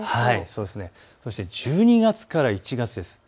そして１２月から１月です。